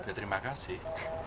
ya terima kasih